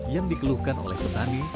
yang dikeluhkan oleh petani